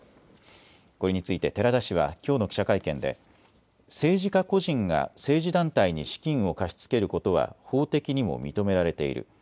これについて寺田氏はきょうの記者会見で政治家個人が政治団体に資金を貸し付けることは法的にも認められている。